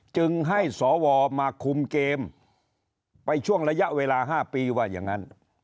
จึงให้สวมาคุมเกมไปช่วงระยะเวลา๕ปีว่าอย่างนั้น